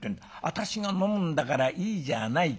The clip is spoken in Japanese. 私が飲むんだからいいじゃないか。